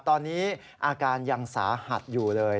ตอนนี้อาการยังสาหัสอยู่เลย